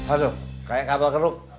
aduh kayak kabel keruk